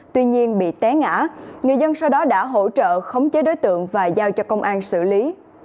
tuy nhiên bị té ngã người dân sau đó đã hỗ trợ khống chế đối tượng và giao cho công an xử lý